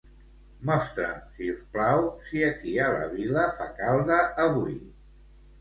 Mostra'm, si us plau, si aquí a la vila fa calda avui.